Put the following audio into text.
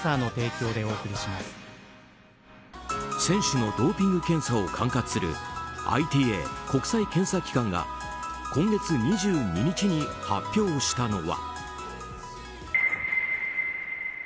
選手のドーピング検査を管轄するＩＴＡ・国際検査機関が今月２２日に発表したのは。